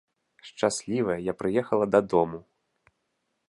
Шчаслівая, я прыехала дадому.